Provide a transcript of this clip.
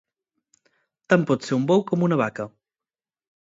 Tant pot ser un bou com una vaca.